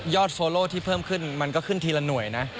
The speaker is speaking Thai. โฟโลที่เพิ่มขึ้นมันก็ขึ้นทีละหน่วยนะ